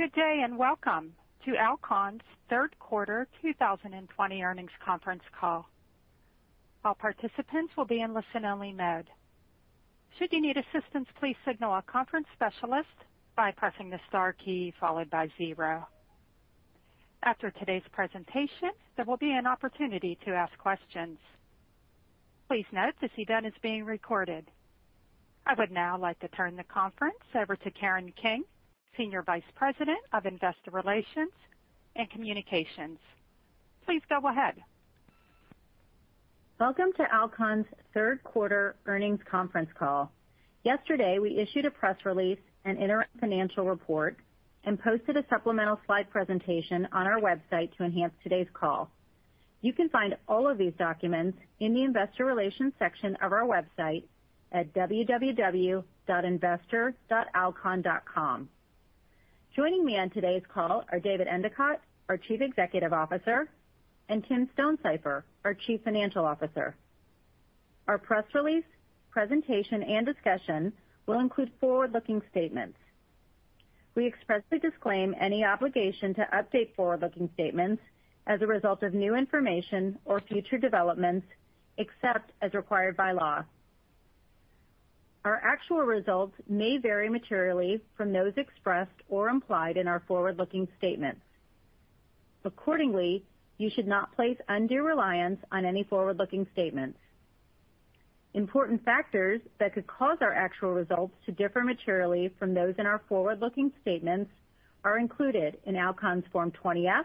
Good day, and welcome to Alcon's third quarter 2020 earnings conference call. All participants will be in listen-only mode. Should you need assistance, please signal our conference specialist by pressing the star key followed by zero. After today's presentation, there will be an opportunity to ask questions. Please note this event is being recorded. I would now like to turn the conference over to Karen King, Senior Vice President of Investor Relations and Communications. Please go ahead. Welcome to Alcon's third quarter earnings conference call. Yesterday, we issued a press release and interim financial report and posted a supplemental slide presentation on our website to enhance today's call. You can find all of these documents in the investor relations section of our website at www.investor.alcon.com. Joining me on today's call are David Endicott, our Chief Executive Officer, and Tim Stonesifer, our Chief Financial Officer. Our press release, presentation, and discussion will include forward-looking statements. We expressly disclaim any obligation to update forward-looking statements as a result of new information or future developments, except as required by law. Our actual results may vary materially from those expressed or implied in our forward-looking statements. You should not place undue reliance on any forward-looking statements. Important factors that could cause our actual results to differ materially from those in our forward-looking statements are included in Alcon's Form 20-F,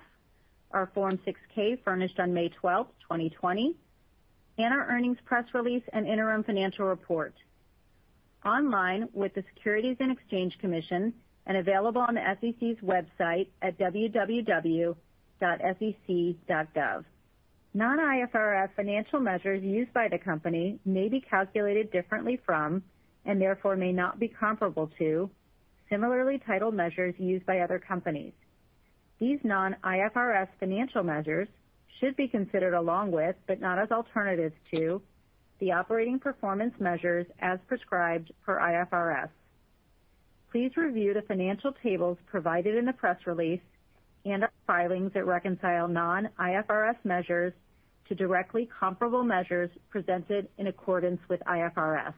our Form 6-K furnished on May 12th, 2020, and our earnings press release and interim financial report online with the Securities and Exchange Commission and available on the SEC's website at www.sec.gov. Non-IFRS financial measures used by the company may be calculated differently from, and therefore may not be comparable to, similarly titled measures used by other companies. These non-IFRS financial measures should be considered along with, but not as alternatives to, the operating performance measures as prescribed per IFRS. Please review the financial tables provided in the press release and our filings that reconcile non-IFRS measures to directly comparable measures presented in accordance with IFRS.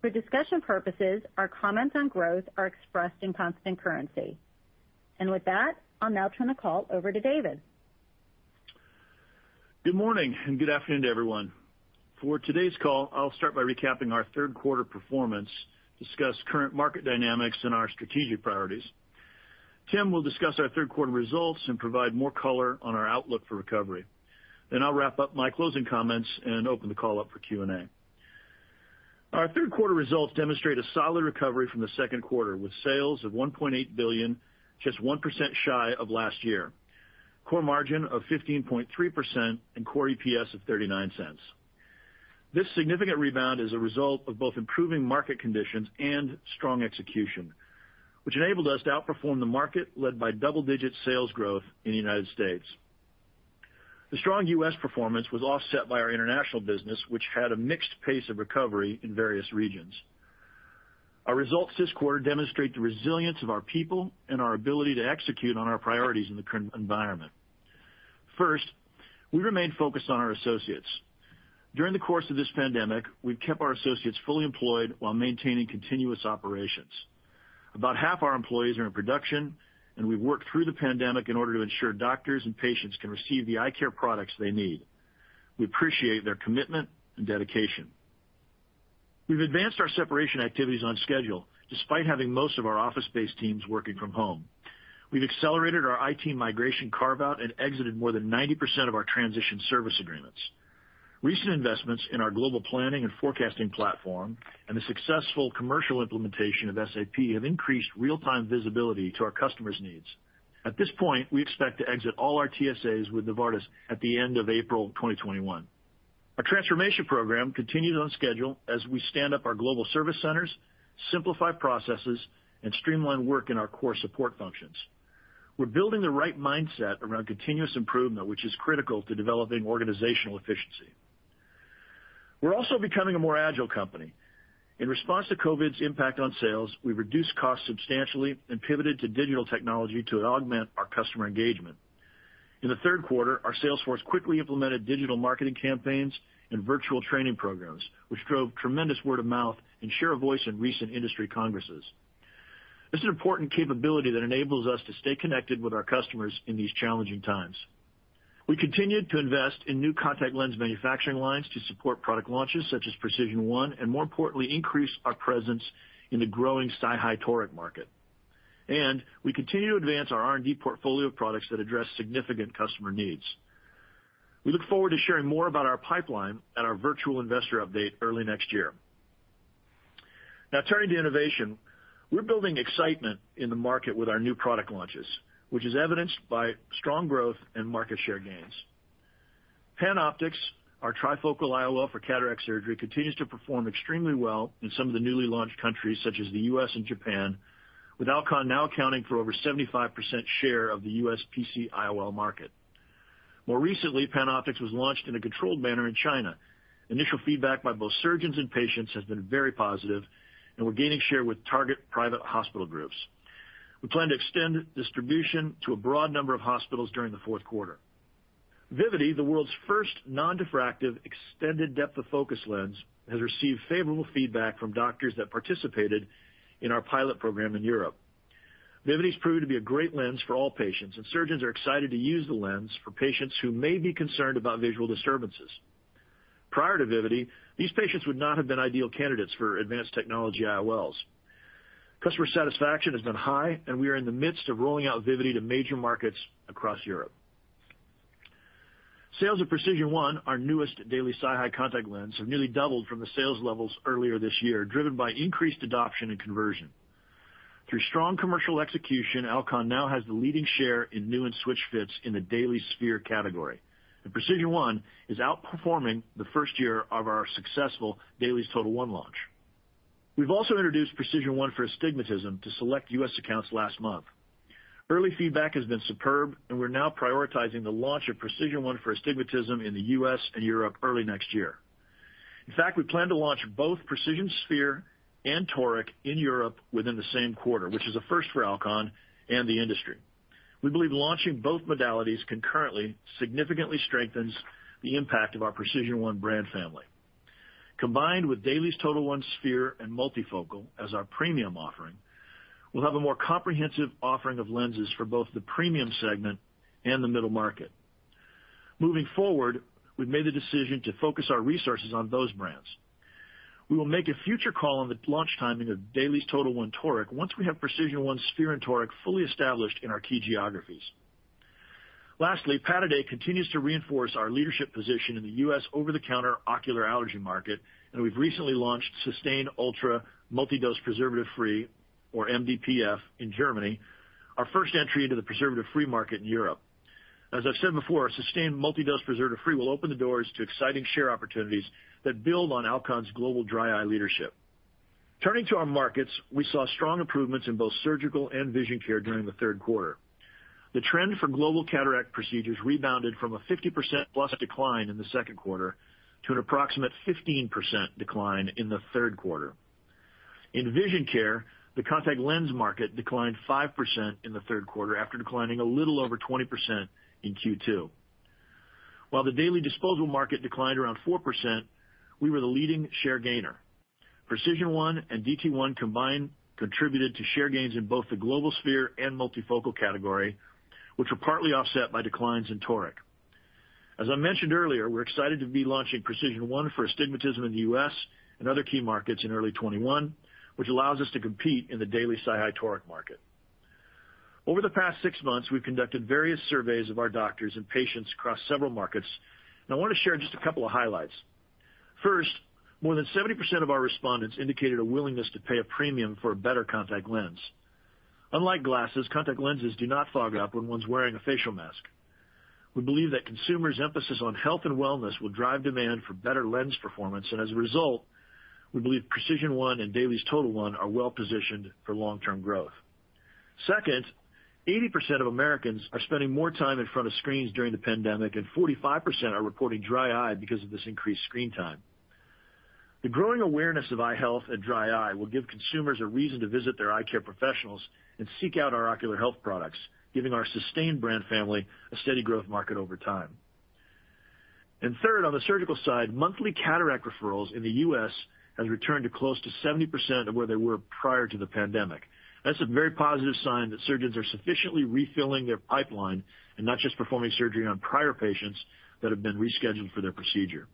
For discussion purposes, our comments on growth are expressed in constant currency. With that, I'll now turn the call over to David. Good morning and good afternoon to everyone. For today's call, I'll start by recapping our third quarter performance, discuss current market dynamics and our strategic priorities. Tim will discuss our third quarter results and provide more color on our outlook for recovery. I'll wrap up my closing comments and open the call up for Q&A. Our third quarter results demonstrate a solid recovery from the second quarter, with sales of $1.8 billion, just 1% shy of last year. Core margin of 15.3% and core EPS of $0.39. This significant rebound is a result of both improving market conditions and strong execution, which enabled us to outperform the market led by double-digit sales growth in the U.S. The strong U.S. performance was offset by our international business, which had a mixed pace of recovery in various regions. Our results this quarter demonstrate the resilience of our people and our ability to execute on our priorities in the current environment. First, we remain focused on our associates. During the course of this pandemic, we've kept our associates fully employed while maintaining continuous operations. About half our employees are in production, and we've worked through the pandemic in order to ensure doctors and patients can receive the eye care products they need. We appreciate their commitment and dedication. We've advanced our separation activities on schedule, despite having most of our office-based teams working from home. We've accelerated our IT migration carve-out and exited more than 90% of our Transition Service Agreements. Recent investments in our global planning and forecasting platform and the successful commercial implementation of SAP have increased real-time visibility to our customers' needs. At this point, we expect to exit all our TSAs with Novartis at the end of April 2021. Our transformation program continues on schedule as we stand up our global service centers, simplify processes, and streamline work in our core support functions. We're building the right mindset around continuous improvement, which is critical to developing organizational efficiency. We're also becoming a more agile company. In response to COVID's impact on sales, we've reduced costs substantially and pivoted to digital technology to augment our customer engagement. In the third quarter, our sales force quickly implemented digital marketing campaigns and virtual training programs, which drove tremendous word of mouth and share of voice in recent industry congresses. This is an important capability that enables us to stay connected with our customers in these challenging times. We continued to invest in new contact lens manufacturing lines to support product launches such as PRECISION1, more importantly, increase our presence in the growing SiHy toric market. We continue to advance our R&D portfolio of products that address significant customer needs. We look forward to sharing more about our pipeline at our virtual investor update early next year. Now turning to innovation, we're building excitement in the market with our new product launches, which is evidenced by strong growth and market share gains. PanOptix, our trifocal IOL for cataract surgery, continues to perform extremely well in some of the newly launched countries such as the U.S. and Japan, with Alcon now accounting for over 75% share of the U.S. PC IOL market. More recently, PanOptix was launched in a controlled manner in China. Initial feedback by both surgeons and patients has been very positive, and we're gaining share with target private hospital groups. We plan to extend distribution to a broad number of hospitals during the fourth quarter. Vivity, the world's first non-diffractive extended depth of focus lens, has received favorable feedback from doctors that participated in our pilot program in Europe. Vivity has proved to be a great lens for all patients, and surgeons are excited to use the lens for patients who may be concerned about visual disturbances. Prior to Vivity, these patients would not have been ideal candidates for advanced technology IOLs. Customer satisfaction has been high, and we are in the midst of rolling out Vivity to major markets across Europe. Sales of PRECISION1, our newest daily SiHy contact lens, have nearly doubled from the sales levels earlier this year, driven by increased adoption and conversion. Through strong commercial execution, Alcon now has the leading share in new and switch fits in the daily sphere category. PRECISION1 is outperforming the first year of our successful DAILIES TOTAL1 launch. We've also introduced PRECISION1 for Astigmatism to select U.S. accounts last month. Early feedback has been superb, and we're now prioritizing the launch of PRECISION1 for Astigmatism in the U.S. and Europe early next year. In fact, we plan to launch both PRECISION1 sphere and Toric in Europe within the same quarter, which is a first for Alcon and the industry. We believe launching both modalities concurrently significantly strengthens the impact of our PRECISION1 brand family. Combined with DAILIES TOTAL1 sphere and Multifocal as our premium offering, we'll have a more comprehensive offering of lenses for both the premium segment and the middle market. We've made the decision to focus our resources on those brands. We will make a future call on the launch timing of DAILIES TOTAL1 Toric once we have PRECISION1 Sphere and Toric fully established in our key geographies. Pataday continues to reinforce our leadership position in the U.S. over-the-counter ocular allergy market, and we've recently launched SYSTANE ULTRA Multi-Dose Preservative-Free, or MDPF, in Germany, our first entry into the preservative-free market in Europe. As I've said before, SYSTANE Multi-Dose Preservative-Free will open the doors to exciting share opportunities that build on Alcon's global dry eye leadership. Turning to our markets, we saw strong improvements in both surgical and vision care during the third quarter. The trend for global cataract procedures rebounded from a 50%-plus decline in the second quarter to an approximate 15% decline in the third quarter. In vision care, the contact lens market declined 5% in the third quarter after declining a little over 20% in Q2. While the daily disposable market declined around 4%, we were the leading share gainer. PRECISION1 and DT1 combined contributed to share gains in both the global sphere and multifocal category, which were partly offset by declines in toric. As I mentioned earlier, we're excited to be launching PRECISION1 for Astigmatism in the U.S. and other key markets in early 2021, which allows us to compete in the daily SiHy toric market. Over the past six months, we've conducted various surveys of our doctors and patients across several markets, and I want to share just a couple of highlights. First, more than 70% of our respondents indicated a willingness to pay a premium for a better contact lens. Unlike glasses, contact lenses do not fog up when one's wearing a facial mask. We believe that consumers' emphasis on health and wellness will drive demand for better lens performance, and as a result, we believe PRECISION1 and DAILIES TOTAL1 are well positioned for long-term growth. Second, 80% of Americans are spending more time in front of screens during the pandemic, and 45% are reporting dry eye because of this increased screen time. The growing awareness of eye health and dry eye will give consumers a reason to visit their eye care professionals and seek out our ocular health products, giving our SYSTANE brand family a steady growth market over time. Third, on the surgical side, monthly cataract referrals in the U.S. has returned to close to 70% of where they were prior to the pandemic. That's a very positive sign that surgeons are sufficiently refilling their pipeline and not just performing surgery on prior patients that have been rescheduled for their procedure.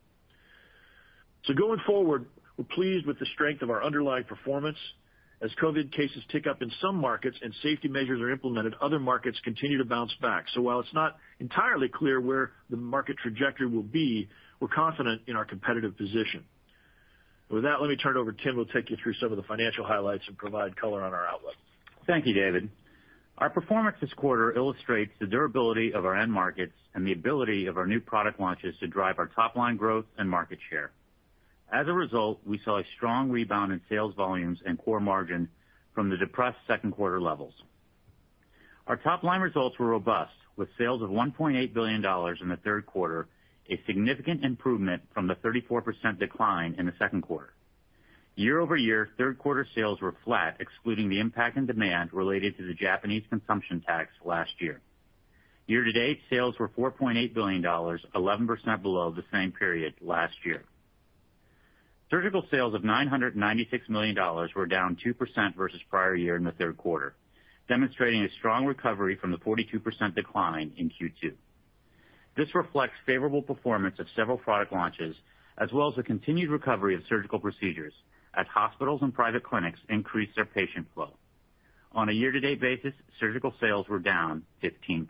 Going forward, we're pleased with the strength of our underlying performance. As COVID cases tick up in some markets and safety measures are implemented, other markets continue to bounce back. While it's not entirely clear where the market trajectory will be, we're confident in our competitive position. With that, let me turn it over to Tim, who will take you through some of the financial highlights and provide color on our outlook. Thank you, David. Our performance this quarter illustrates the durability of our end markets and the ability of our new product launches to drive our top-line growth and market share. As a result, we saw a strong rebound in sales volumes and core margin from the depressed second quarter levels. Our top-line results were robust, with sales of $1.8 billion in the third quarter, a significant improvement from the 34% decline in the second quarter. Year-over-year, third quarter sales were flat, excluding the impact in demand related to the Japanese consumption tax last year. Year to date, sales were $4.8 billion, 11% below the same period last year. Surgical sales of $996 million were down 2% versus prior year in the third quarter, demonstrating a strong recovery from the 42% decline in Q2. This reflects favorable performance of several product launches, as well as the continued recovery of surgical procedures as hospitals and private clinics increase their patient flow. On a year-to-date basis, surgical sales were down 15%.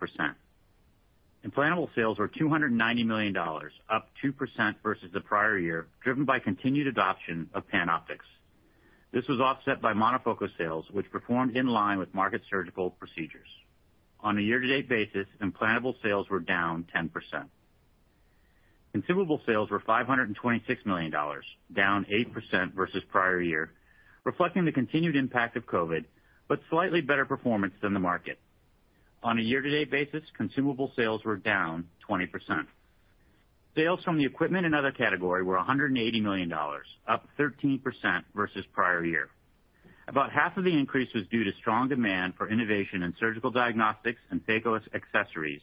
Implantable sales were $290 million, up 2% versus the prior year, driven by continued adoption of PanOptix. This was offset by monofocal sales, which performed in line with market surgical procedures. On a year-to-date basis, implantable sales were down 10%. Consumable sales were $526 million, down 8% versus prior year, reflecting the continued impact of COVID, but slightly better performance than the market. On a year-to-date basis, consumable sales were down 20%. Sales from the equipment and other category were $180 million, up 13% versus prior year. About half of the increase was due to strong demand for innovation in surgical diagnostics and phaco accessories,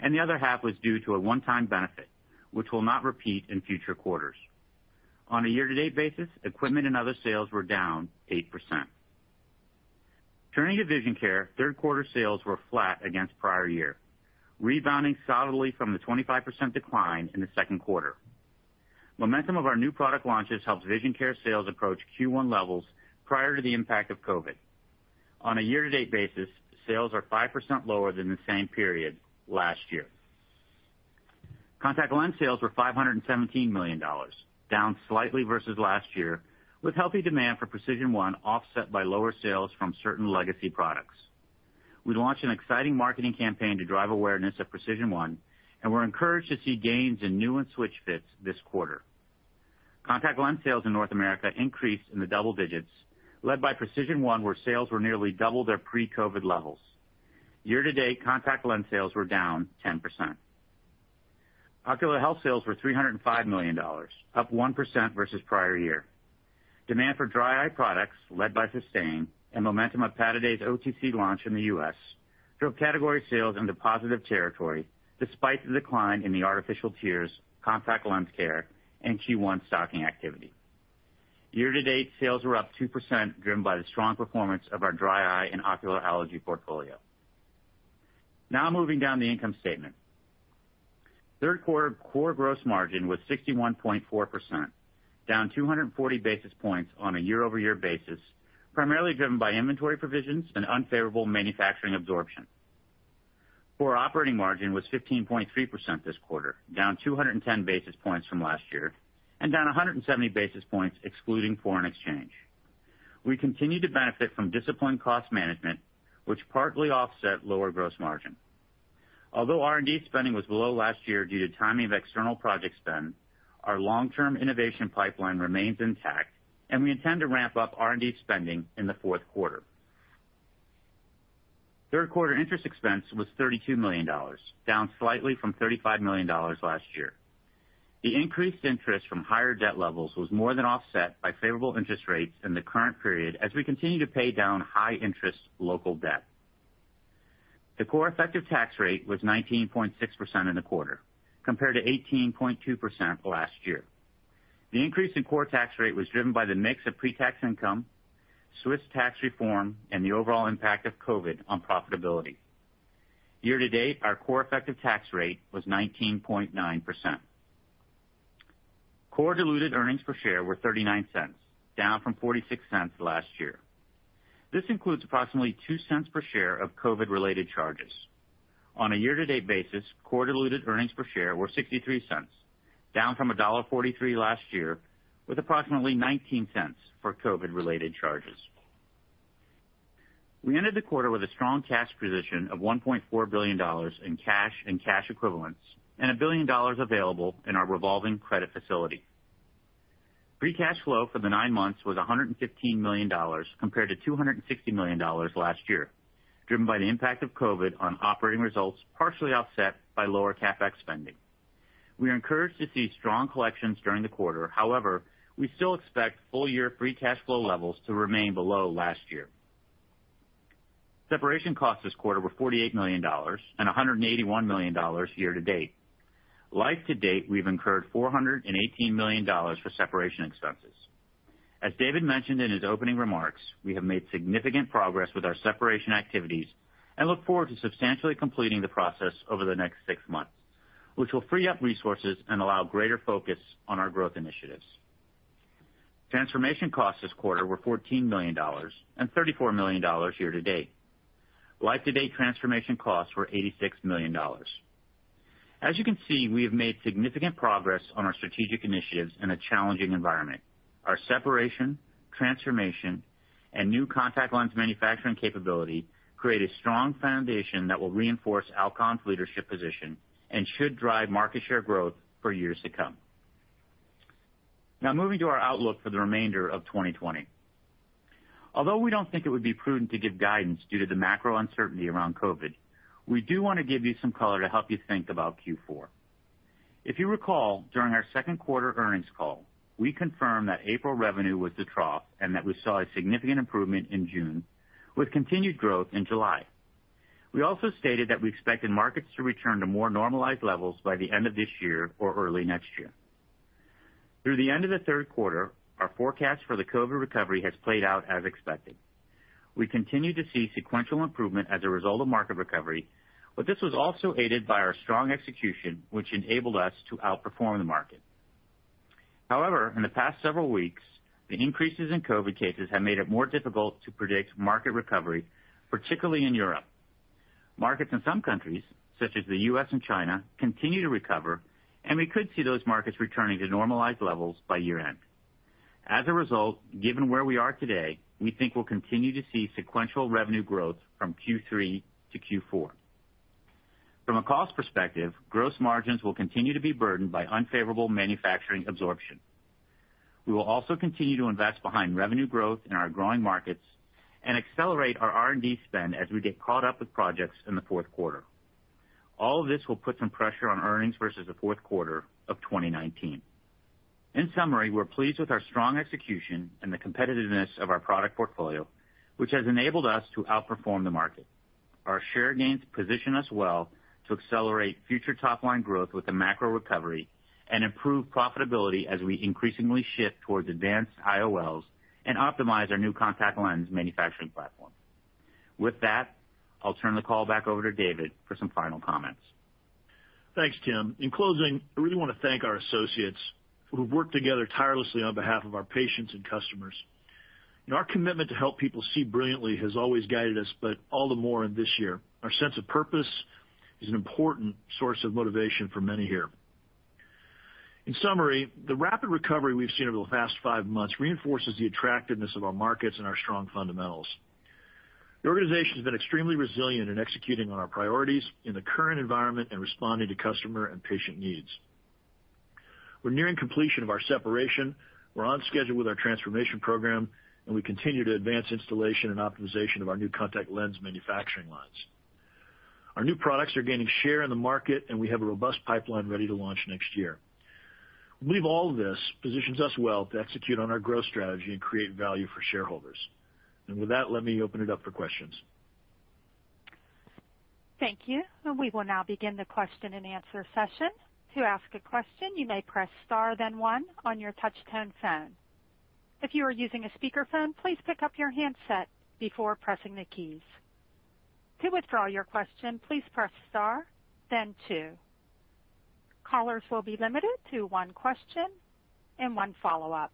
and the other half was due to a one-time benefit, which will not repeat in future quarters. On a year-to-date basis, equipment and other sales were down 8%. Turning to Vision Care, third quarter sales were flat against prior year, rebounding solidly from the 25% decline in the second quarter. Momentum of our new product launches helped Vision Care sales approach Q1 levels prior to the impact of COVID. On a year-to-date basis, sales are 5% lower than the same period last year. Contact lens sales were $517 million, down slightly versus last year, with healthy demand for PRECISION1 offset by lower sales from certain legacy products. We launched an exciting marketing campaign to drive awareness of PRECISION1, and we're encouraged to see gains in new and switch fits this quarter. Contact lens sales in North America increased in the double digits, led by PRECISION1, where sales were nearly double their pre-COVID levels. Year to date, contact lens sales were down 10%. Ocular health sales were $305 million, up 1% versus prior year. Demand for dry eye products, led by SYSTANE, and momentum of Pataday's OTC launch in the U.S. drove category sales into positive territory despite the decline in the artificial tears, contact lens care in Q1 stocking activity. Year to date, sales were up 2%, driven by the strong performance of our dry eye and ocular allergy portfolio. Moving down the income statement. Third quarter core gross margin was 61.4%, down 240 basis points on a year-over-year basis, primarily driven by inventory provisions and unfavorable manufacturing absorption. Core operating margin was 15.3% this quarter, down 210 basis points from last year and down 170 basis points excluding foreign exchange. We continue to benefit from disciplined cost management, which partly offset lower gross margin. Although R&D spending was below last year due to timing of external project spend, our long-term innovation pipeline remains intact, and we intend to ramp up R&D spending in the fourth quarter. Third quarter interest expense was $32 million, down slightly from $35 million last year. The increased interest from higher debt levels was more than offset by favorable interest rates in the current period as we continue to pay down high-interest local debt. The core effective tax rate was 19.6% in the quarter, compared to 18.2% last year. The increase in core tax rate was driven by the mix of pre-tax income, Swiss tax reform, and the overall impact of COVID on profitability. Year to date, our core effective tax rate was 19.9%. Core diluted earnings per share were $0.39, down from $0.46 last year. This includes approximately $0.02 per share of COVID-related charges. On a year-to-date basis, core diluted earnings per share were $0.63, down from $1.43 last year, with approximately $0.19 for COVID-related charges. We ended the quarter with a strong cash position of $1.4 billion in cash and cash equivalents and $1 billion available in our revolving credit facility. Free cash flow for the nine months was $115 million, compared to $260 million last year, driven by the impact of COVID on operating results, partially offset by lower CapEx spending. We are encouraged to see strong collections during the quarter. We still expect full year free cash flow levels to remain below last year. Separation costs this quarter were $48 million and $181 million year to date. Life-to-date, we've incurred $418 million for separation expenses. As David mentioned in his opening remarks, we have made significant progress with our separation activities and look forward to substantially completing the process over the next six months, which will free up resources and allow greater focus on our growth initiatives. Transformation costs this quarter were $14 million and $34 million year to date. Life-to-date transformation costs were $86 million. As you can see, we have made significant progress on our strategic initiatives in a challenging environment. Our separation, transformation, and new contact lens manufacturing capability create a strong foundation that will reinforce Alcon's leadership position and should drive market share growth for years to come. Now moving to our outlook for the remainder of 2020. We don't think it would be prudent to give guidance due to the macro uncertainty around COVID, we do want to give you some color to help you think about Q4. If you recall, during our second quarter earnings call, we confirmed that April revenue was the trough and that we saw a significant improvement in June, with continued growth in July. We also stated that we expected markets to return to more normalized levels by the end of this year or early next year. Through the end of the third quarter, our forecast for the COVID recovery has played out as expected. We continue to see sequential improvement as a result of market recovery, this was also aided by our strong execution, which enabled us to outperform the market. However, in the past several weeks, the increases in COVID cases have made it more difficult to predict market recovery, particularly in Europe. Markets in some countries, such as the U.S. and China, continue to recover, and we could see those markets returning to normalized levels by year-end. As a result, given where we are today, we think we'll continue to see sequential revenue growth from Q3 to Q4. From a cost perspective, gross margins will continue to be burdened by unfavorable manufacturing absorption. We will also continue to invest behind revenue growth in our growing markets and accelerate our R&D spend as we get caught up with projects in the fourth quarter. All of this will put some pressure on earnings versus the fourth quarter of 2019. In summary, we're pleased with our strong execution and the competitiveness of our product portfolio, which has enabled us to outperform the market. Our share gains position us well to accelerate future top-line growth with the macro recovery and improve profitability as we increasingly shift towards advanced IOLs and optimize our new contact lens manufacturing platform. With that, I'll turn the call back over to David for some final comments. Thanks, Tim Stonesifer. In closing, I really want to thank our associates who have worked together tirelessly on behalf of our patients and customers. Our commitment to help people see brilliantly has always guided us, but all the more in this year. Our sense of purpose is an important source of motivation for many here. In summary, the rapid recovery we've seen over the past five months reinforces the attractiveness of our markets and our strong fundamentals. The organization has been extremely resilient in executing on our priorities in the current environment and responding to customer and patient needs. We're nearing completion of our separation. We're on schedule with our transformation program, and we continue to advance installation and optimization of our new contact lens manufacturing lines. Our new products are gaining share in the market, and we have a robust pipeline ready to launch next year. We believe all this positions us well to execute on our growth strategy and create value for shareholders. With that, let me open it up for questions. Thank you. We will now begin the question-and-answer session. To ask a question, you may press star then one on your touch-tone phone. If you are using a speakerphone, please pick up your handset before pressing the keys. To withdraw your question, please press star then two. Callers will be limited to one question and one follow-up.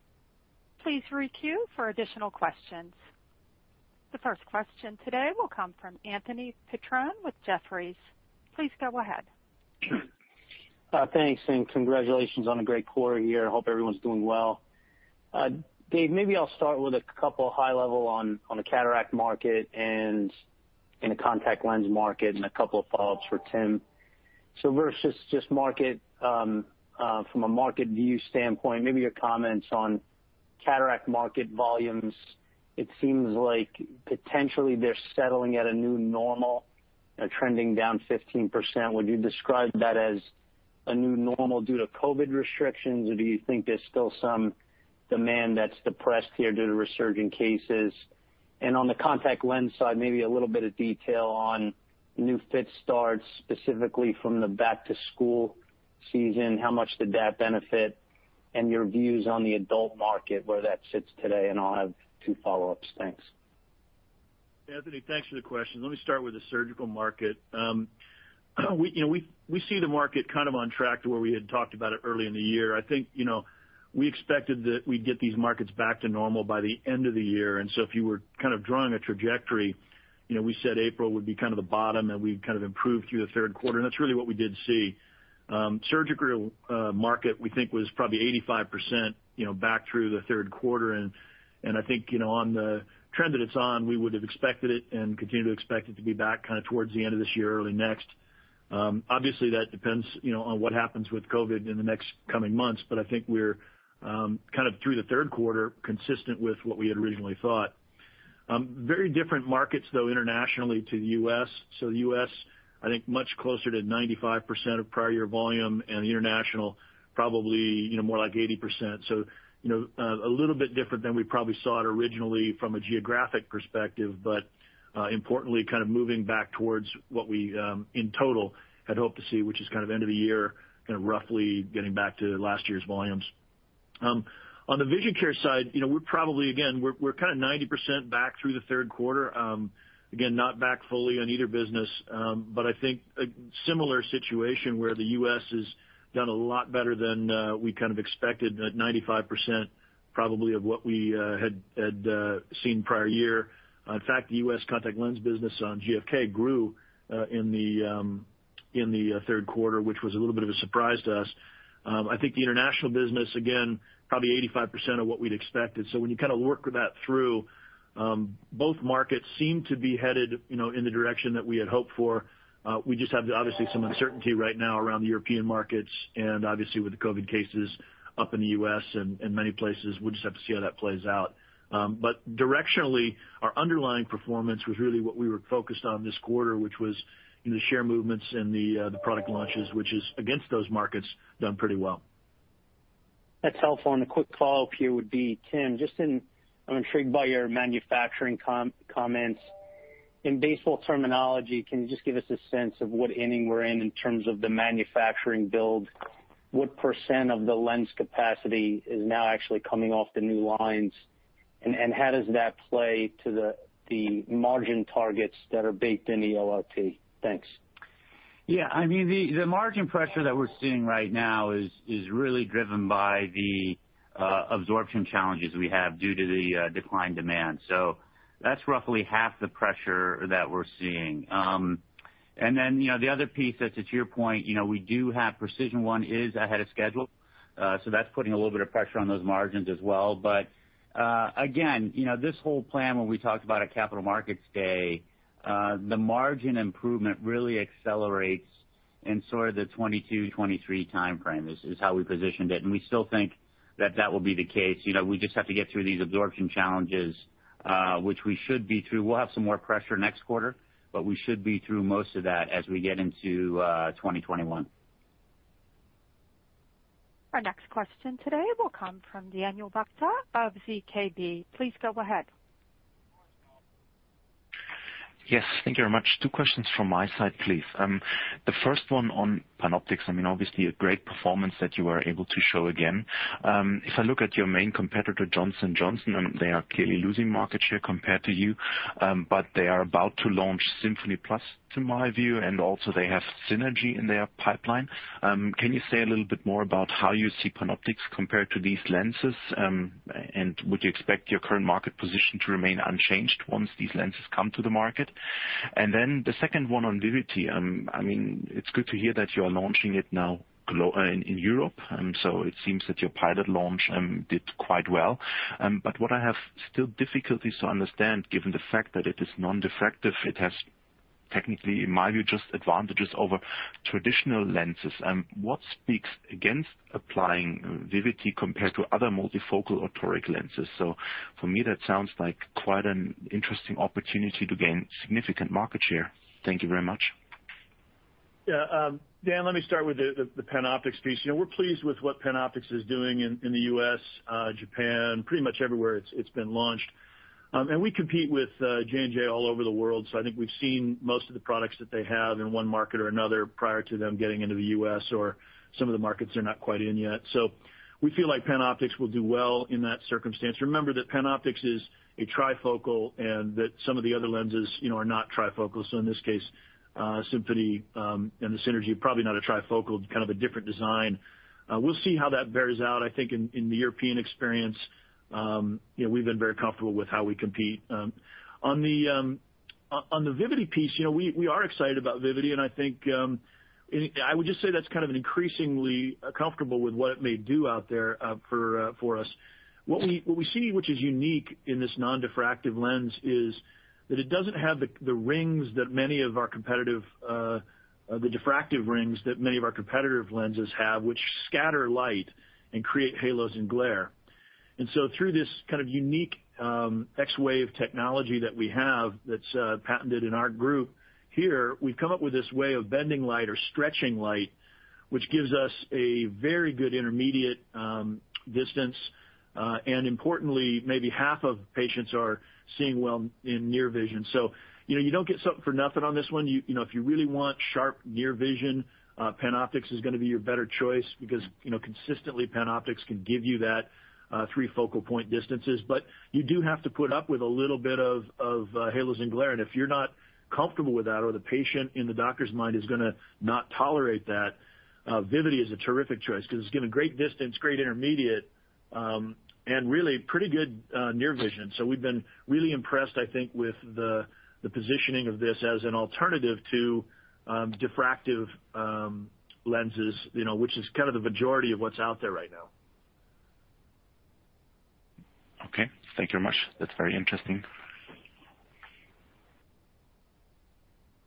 Please re-queue for additional questions. The first question today will come from Anthony Petrone with Jefferies. Please go ahead. Thanks, and congratulations on a great quarter here. I hope everyone's doing well. Dave, maybe I'll start with a couple high level on the cataract market and in the contact lens market, and a couple of follow-ups for Tim. Versus just market, from a market view standpoint, maybe your comments on cataract market volumes. It seems like potentially they're settling at a new normal, trending down 15%. Would you describe that as a new normal due to COVID restrictions, or do you think there's still some demand that's depressed here due to resurgent cases? On the contact lens side, maybe a little bit of detail on new fit starts, specifically from the back-to-school season. How much did that benefit? Your views on the adult market, where that sits today, and I'll have two follow-ups. Thanks. Anthony, thanks for the question. Let me start with the surgical market. We see the market kind of on track to where we had talked about it early in the year. I think we expected that we'd get these markets back to normal by the end of the year. If you were kind of drawing a trajectory, we said April would be kind of the bottom, and we'd kind of improve through the third quarter, and that's really what we did see. Surgical market we think was probably 85% back through the third quarter, and I think on the trend that it's on, we would have expected it and continue to expect it to be back kind of towards the end of this year or early next. Obviously, that depends on what happens with COVID in the next coming months. I think we're kind of through the third quarter consistent with what we had originally thought. Very different markets, though, internationally to the U.S. The U.S., I think much closer to 95% of prior year volume and international probably more like 80%. A little bit different than we probably saw it originally from a geographic perspective, but importantly, kind of moving back towards what we, in total, had hoped to see, which is kind of end of the year, kind of roughly getting back to last year's volumes. On the vision care side, we're probably, again, we're kind of 90% back through the third quarter. Again, not back fully on either business. I think a similar situation where the U.S. has done a lot better than we kind of expected at 95%, probably of what we had seen prior year. The U.S. contact lens business on GfK grew in the third quarter, which was a little bit of a surprise to us. I think the international business, again, probably 85% of what we'd expected. When you kind of work that through, both markets seem to be headed in the direction that we had hoped for. We just have obviously some uncertainty right now around the European markets and obviously with the COVID cases up in the U.S. and many places. We'll just have to see how that plays out. Directionally, our underlying performance was really what we were focused on this quarter, which was the share movements and the product launches, which is against those markets, done pretty well. That's helpful. A quick follow-up here would be, Tim, I'm intrigued by your manufacturing comments. In baseball terminology, can you just give us a sense of what inning we're in in terms of the manufacturing build? What % of the lens capacity is now actually coming off the new lines, and how does that play to the margin targets that are baked in the LRP? Thanks. The margin pressure that we're seeing right now is really driven by the absorption challenges we have due to the decline demand. That's roughly half the pressure that we're seeing. The other piece that to your point, we do have PRECISION1 is ahead of schedule. That's putting a little bit of pressure on those margins as well. Again, this whole plan, when we talked about at Capital Markets Day, the margin improvement really accelerates in sort of the 2022, 2023 timeframe. This is how we positioned it, and we still think that that will be the case. We just have to get through these absorption challenges, which we should be through. We'll have some more pressure next quarter, but we should be through most of that as we get into 2021. Our next question today will come from Daniel Buchta of ZKB. Please go ahead. Yes, thank you very much. Two questions from my side, please. The first one on PanOptix, I mean, obviously a great performance that you were able to show again. If I look at your main competitor, Johnson & Johnson, they are clearly losing market share compared to you. They are about to launch Symfony Plus, to my view, and also they have Synergy in their pipeline. Can you say a little bit more about how you see PanOptix compared to these lenses? Would you expect your current market position to remain unchanged once these lenses come to the market? The second one on Vivity. It's good to hear that you are launching it now in Europe. It seems that your pilot launch did quite well. What I have still difficulties to understand, given the fact that it is non-diffractive, it has technically, in my view, just advantages over traditional lenses. What speaks against applying Vivity compared to other multifocal or toric lenses? For me, that sounds like quite an interesting opportunity to gain significant market share. Thank you very much. Dan, let me start with the PanOptix piece. We're pleased with what PanOptix is doing in the U.S., Japan, pretty much everywhere it's been launched. We compete with J&J all over the world, so I think we've seen most of the products that they have in one market or another prior to them getting into the U.S. or some of the markets they're not quite in yet. We feel like PanOptix will do well in that circumstance. Remember that PanOptix is a trifocal and that some of the other lenses are not trifocal. In this case, Symfony, and the Synergy, probably not a trifocal, kind of a different design. We'll see how that bears out, I think, in the European experience. We've been very comfortable with how we compete. On the Vivity piece, we are excited about Vivity. I think I would just say that's kind of an increasingly comfortable with what it may do out there for us. What we see, which is unique in this non-diffractive lens, is that it doesn't have the diffractive rings that many of our competitive lenses have, which scatter light and create halos and glare. Through this kind of unique X-WAVE technology that we have that's patented in our group here, we've come up with this way of bending light or stretching light, which gives us a very good intermediate distance. Importantly, maybe half of patients are seeing well in near vision. You don't get something for nothing on this one. If you really want sharp near vision, PanOptix is going to be your better choice because, consistently PanOptix can give you that three focal point distances. You do have to put up with a little bit of halos and glare. If you're not comfortable with that or the patient in the doctor's mind is going to not tolerate that, Vivity is a terrific choice because it's giving great distance, great intermediate, and really pretty good near vision. We've been really impressed, I think, with the positioning of this as an alternative to diffractive lenses, which is kind of the majority of what's out there right now. Okay. Thank you very much. That's very interesting.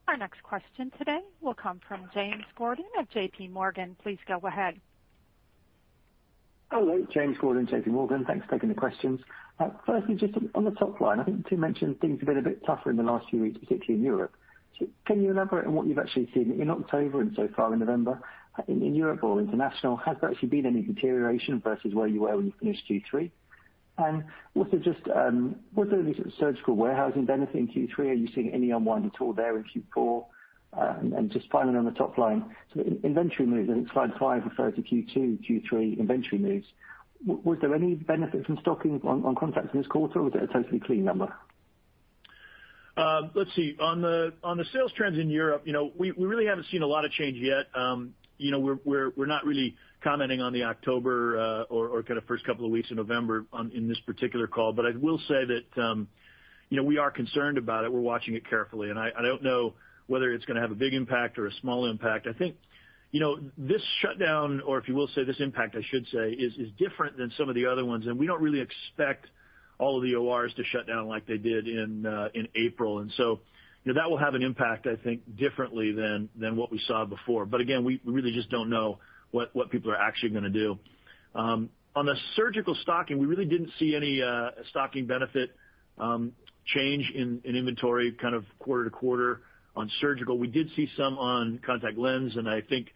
Our next question today will come from James Gordon of JPMorgan. Please go ahead. Hello, James Gordon, JPMorgan. Thanks for taking the questions. Firstly, just on the top line, I think Tim mentioned things have been a bit tougher in the last few weeks, particularly in Europe. Can you elaborate on what you've actually seen in October and so far in November in Europe or international? Has there actually been any deterioration versus where you were when you finished Q3? Also just, was there any surgical warehousing benefit in Q3? Are you seeing any unwind at all there in Q4? Just finally on the top line, so inventory moves, I think slide five refers to Q2, Q3 inventory moves. Was there any benefit from stocking on contacts this quarter, or was it a totally clean number? Let's see. On the sales trends in Europe, we really haven't seen a lot of change yet. We're not really commenting on the October or kind of first couple of weeks of November in this particular call. I will say that we are concerned about it. We're watching it carefully, and I don't know whether it's going to have a big impact or a small impact. I think this shutdown, or if you will say this impact, I should say, is different than some of the other ones, and we don't really expect all of the ORs to shut down like they did in April. That will have an impact, I think, differently than what we saw before. Again, we really just don't know what people are actually going to do. On the surgical stocking, we really didn't see any stocking benefit change in inventory kind of quarter to quarter on surgical. We did see some on contact lens, and I think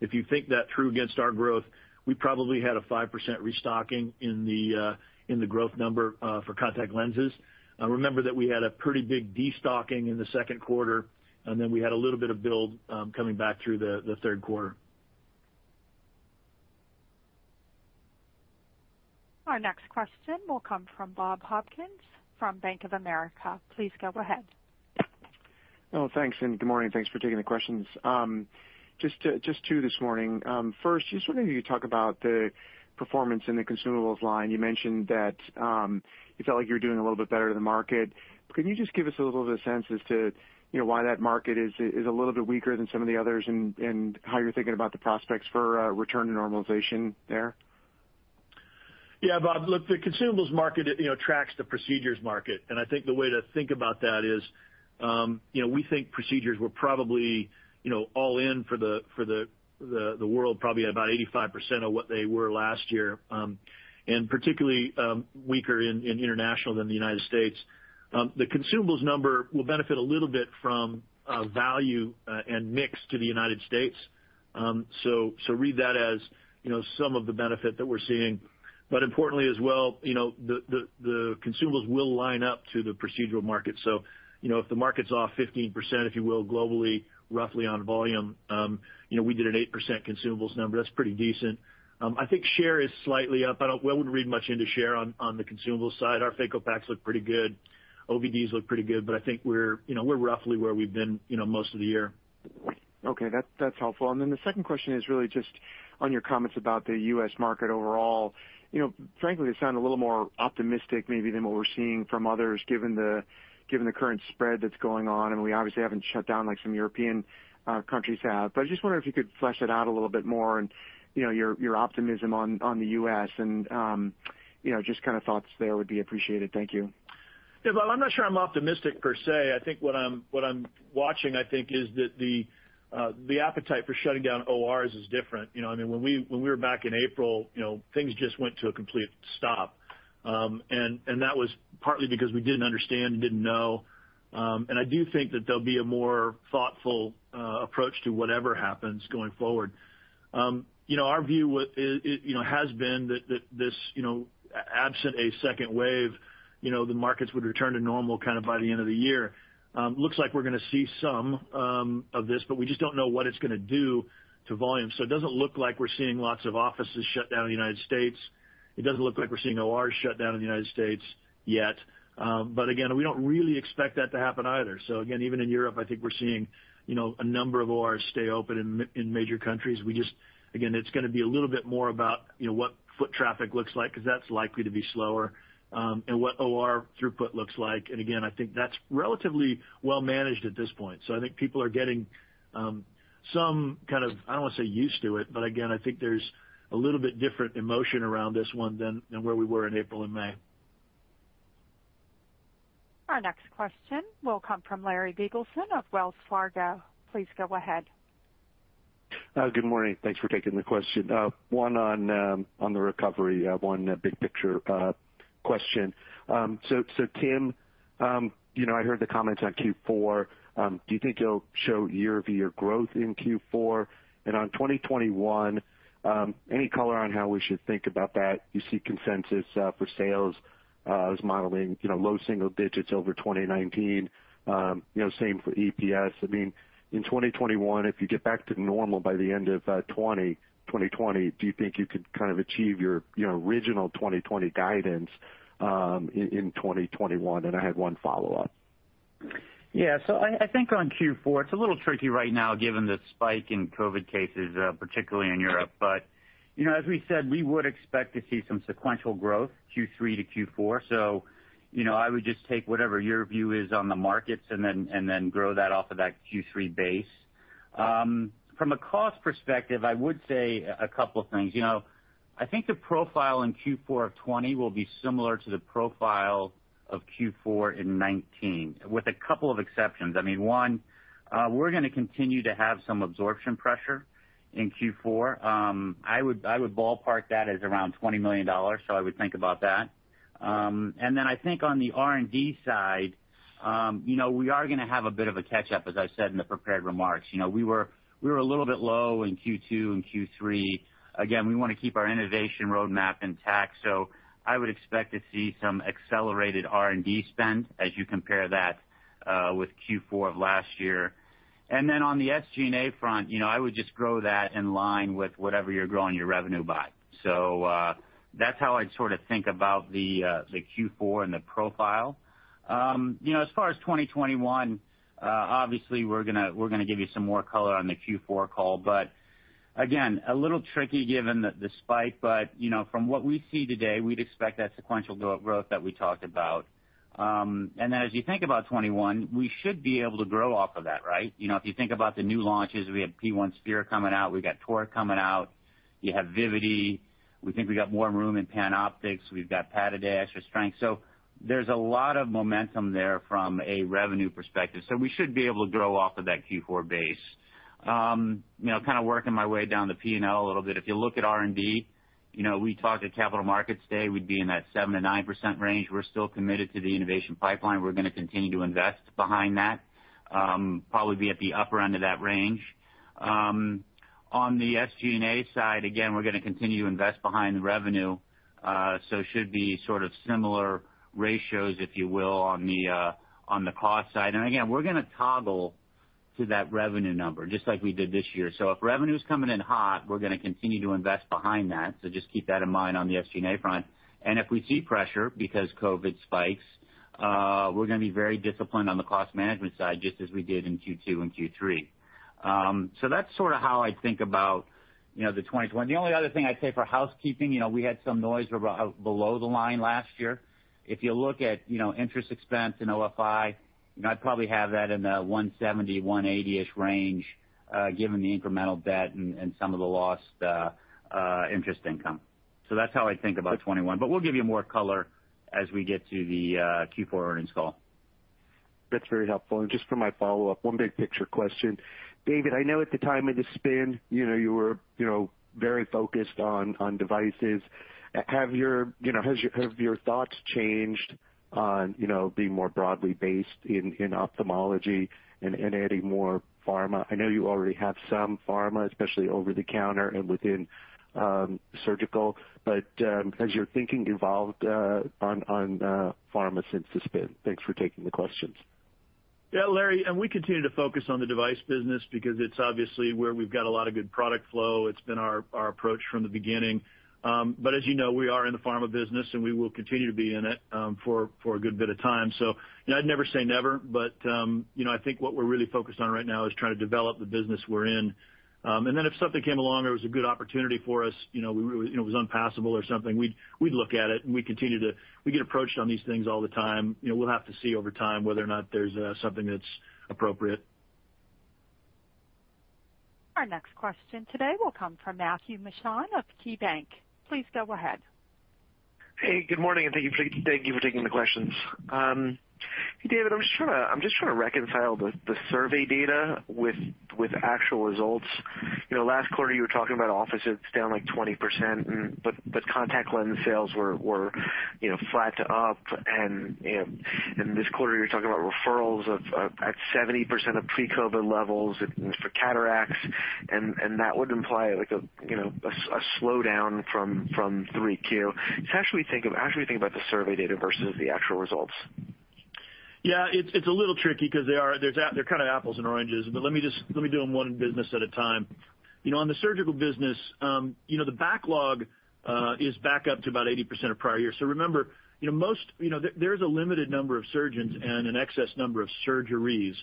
if you think that through against our growth, we probably had a 5% restocking in the growth number for contact lenses. Remember that we had a pretty big destocking in the second quarter, and then we had a little bit of build coming back through the third quarter. Our next question will come from Bob Hopkins from Bank of America. Please go ahead. Well, thanks, good morning. Thanks for taking the questions. Just two this morning. First, just wondering if you could talk about the performance in the consumables line. You mentioned that you felt like you were doing a little bit better than the market. Could you just give us a little bit of sense as to why that market is a little bit weaker than some of the others, how you're thinking about the prospects for a return to normalization there? Bob, look, the consumables market tracks the procedures market, and I think the way to think about that is, we think procedures were probably all in for the world, probably at about 85% of what they were last year, and particularly weaker in international than the U.S. The consumables number will benefit a little bit from value and mix to the U.S. Read that as some of the benefit that we're seeing. Importantly as well, the consumables will line up to the procedural market. If the market's off 15%, if you will, globally, roughly on volume, we did an 8% consumables number. That's pretty decent. I think share is slightly up. I wouldn't read much into share on the consumable side. Our phaco packs look pretty good. OVDs look pretty good. I think we're roughly where we've been most of the year. Okay. That's helpful. Then the second question is really just on your comments about the U.S. market overall. Frankly, they sound a little more optimistic maybe than what we're seeing from others, given the current spread that's going on, and we obviously haven't shut down like some European countries have. I just wonder if you could flesh it out a little bit more and your optimism on the U.S. and just kind of thoughts there would be appreciated. Thank you. Yeah, Bob, I'm not sure I'm optimistic per se. I think what I'm watching is that the appetite for shutting down ORs is different. When we were back in April, things just went to a complete stop. That was partly because we didn't understand and didn't know. I do think that there'll be a more thoughtful approach to whatever happens going forward. Our view has been that this, absent a second wave, the markets would return to normal kind of by the end of the year. Looks like we're going to see some of this, but we just don't know what it's going to do to volume. It doesn't look like we're seeing lots of offices shut down in the United States. It doesn't look like we're seeing ORs shut down in the United States yet. Again, we don't really expect that to happen either. Again, even in Europe, I think we're seeing a number of ORs stay open in major countries. We just, again, it's going to be a little bit more about what foot traffic looks like, because that's likely to be slower, and what OR throughput looks like. Again, I think that's relatively well managed at this point. I think people are getting some kind of, I don't want to say used to it, but again, I think there's a little bit different emotion around this one than where we were in April and May. Our next question will come from Larry Biegelsen of Wells Fargo. Please go ahead. Good morning. Thanks for taking the question. One on the recovery, one big picture question. Tim, I heard the comments on Q4. Do you think it'll show year-over-year growth in Q4? On 2021, any color on how we should think about that? You see consensus for sales. I was modeling low single digits over 2019. Same for EPS. In 2021, if you get back to normal by the end of 2020, do you think you could kind of achieve your original 2020 guidance in 2021? I had one follow-up. Yeah. I think on Q4, it's a little tricky right now given the spike in COVID cases, particularly in Europe. As we said, we would expect to see some sequential growth Q3 to Q4. I would just take whatever your view is on the markets and then grow that off of that Q3 base. From a cost perspective, I would say a couple of things. I think the profile in Q4 of 2020 will be similar to the profile of Q4 in 2019, with a couple of exceptions. One, we're going to continue to have some absorption pressure in Q4. I would ballpark that as around $20 million. I would think about that. I think on the R&D side, we are going to have a bit of a catch-up, as I said in the prepared remarks. We were a little bit low in Q2 and Q3. We want to keep our innovation roadmap intact. I would expect to see some accelerated R&D spend as you compare that with Q4 of last year. On the SG&A front, I would just grow that in line with whatever you're growing your revenue by. That's how I'd sort of think about the Q4 and the profile. As far as 2021, obviously we're going to give you some more color on the Q4 call, but again, a little tricky given the spike, but from what we see today, we'd expect that sequential growth that we talked about. As you think about 2021, we should be able to grow off of that. If you think about the new launches, we have PRECISION1 Sphere coming out, we've got PRECISION1 for Astigmatism coming out. You have Vivity. We think we got more room in PanOptix. We've got Pataday Extra Strength. There's a lot of momentum there from a revenue perspective. We should be able to grow off of that Q4 base. Kind of working my way down the P&L a little bit. If you look at R&D, we talked at Capital Markets Day, we'd be in that 7%-9% range. We're still committed to the innovation pipeline. We're going to continue to invest behind that. Probably be at the upper end of that range. On the SG&A side, again, we're going to continue to invest behind the revenue, it should be sort of similar ratios, if you will, on the cost side. Again, we're going to toggle to that revenue number, just like we did this year. If revenue's coming in hot, we're going to continue to invest behind that, just keep that in mind on the SG&A front. If we see pressure because COVID spikes, we're going to be very disciplined on the cost management side, just as we did in Q2 and Q3. That's sort of how I think about the 2021. The only other thing I'd say for housekeeping, we had some noise below the line last year. If you look at interest expense and OFI, I'd probably have that in the $170, $180-ish range, given the incremental debt and some of the lost interest income. That's how I think about 2021. We'll give you more color as we get to the Q4 earnings call. That's very helpful. Just for my follow-up, one big picture question. David, I know at the time of the spin, you were very focused on devices. Have your thoughts changed on being more broadly based in ophthalmology and adding more pharma? I know you already have some pharma, especially over the counter and within surgical, has your thinking evolved on pharma since the spin? Thanks for taking the questions. Yeah, Larry, we continue to focus on the device business because it's obviously where we've got a lot of good product flow. It's been our approach from the beginning. As you know, we are in the pharma business, and we will continue to be in it for a good bit of time. I'd never say never, but I think what we're really focused on right now is trying to develop the business we're in. If something came along that was a good opportunity for us, it was unpassable or something, we'd look at it, and we continue to. We get approached on these things all the time. We'll have to see over time whether or not there's something that's appropriate. Our next question today will come from Matt Miksic of KeyBanc. Please go ahead. Hey, good morning, and thank you for taking the questions. David, I'm just trying to reconcile the survey data with actual results. Last quarter you were talking about offices down like 20%, contact lens sales were flat to up. This quarter you're talking about referrals at 70% of pre-COVID levels for cataracts, that would imply a slowdown from 3Q. How do you think about the survey results versus the actual results? Yeah, it's a little tricky because they're kind of apples and oranges, but let me do them one business at a time. On the surgical business, the backlog is back up to about 80% of prior year. Remember, there's a limited number of surgeons and an excess number of surgeries.